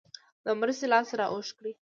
د مرستې لاس را اوږد کړي.